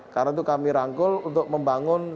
karena itu kami rangkul untuk membangun